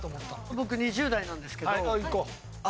僕２０代なんですけど。